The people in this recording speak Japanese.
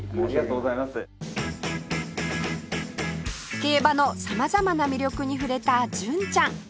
競馬の様々な魅力に触れた純ちゃん